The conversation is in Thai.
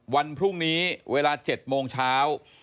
วันพรุ่งนี้เวลา๗โมงเช้า